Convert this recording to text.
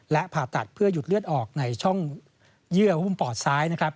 และผ่าตัดเพื่อหยุดเลือดออกในช่องเยื่อหุ้มปอดซ้ายนะครับ